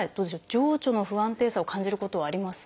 情緒の不安定さを感じることはありますか？